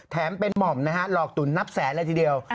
แถมเป็นหม่อมนะฮะหลอกตุ๋นนับแสนเลยทีเดียว